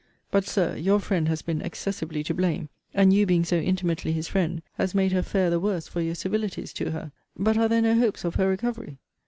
But, Sir, your friend has been excessively to blame; and you being so intimately his friend, has made her fare the worse for your civilities to her. But are there no hopes of her recovery?